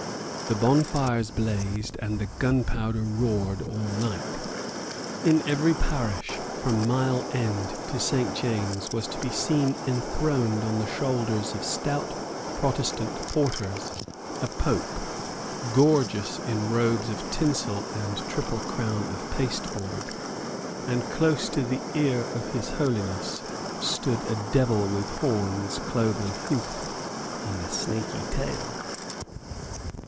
The bonfires blazed, and the gunpowder roared, all night. In every parish from Mile End to Saint James's was to be seen enthroned on the shoulders of stout Protestant porters a pope, gorgeous in robes of tinsel and triple crown of pasteboard; and close to the ear of His Holiness stood a devil with horns, cloven hoof, and a snaky tail.